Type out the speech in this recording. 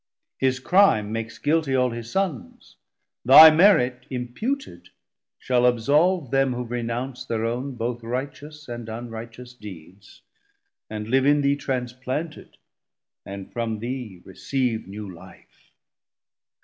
His crime makes guiltie all his Sons, thy merit 290 Imputed shall absolve them who renounce Thir own both righteous and unrighteous deeds, And live in thee transplanted, and from thee Receive new life.